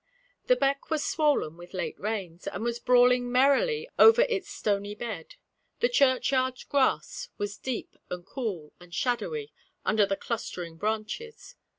The beck was swollen with late rains, and was brawling merrily over its stony bed; the churchyard grass was deep and cool and shadowy under the clustering branches.